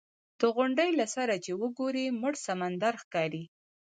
د غونډۍ له سره چې وګورې مړ سمندر ښکاري.